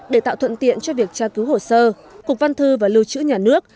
để tạo thuận tiện cho việc tra cứu hồ sơ cục văn thư và lưu trữ nhà nước